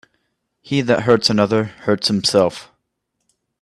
He that hurts another, hurts himself.